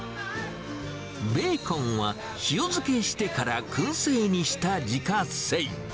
ベーコンは塩漬けしてからくん製にした自家製。